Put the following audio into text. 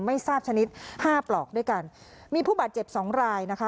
ไม่ทราบชนิดห้าปลอกด้วยกันมีผู้บาดเจ็บสองรายนะคะ